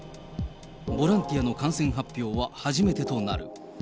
ボランティアの感染発表は初めてとなる。